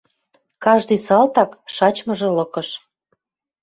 Каждый салтак шачмыжы лыкыш.